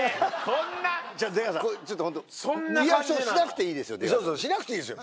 そうそうしなくていいですよ